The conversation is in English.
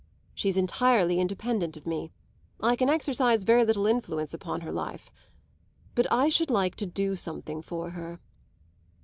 She's entirely independent of me; I can exercise very little influence upon her life. But I should like to do something for her."